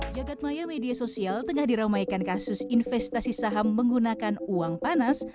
jagadmaya media sosial tengah diramaikan kasus investasi saham menggunakan uang panas